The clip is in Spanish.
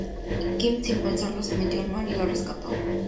Kim sin pensarlo se metió al mar y lo rescató.